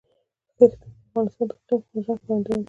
ښتې د افغانستان د اقلیمي نظام ښکارندوی ده.